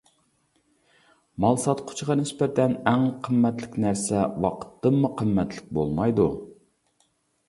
مال ساتقۇچىغا نىسبەتەن، ئەڭ قىممەتلىك نەرسە ۋاقىتتىنمۇ قىممەتلىك بولمايدۇ.